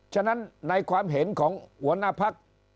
ฉะนั้นในความเห็นของหัวหน้าพัก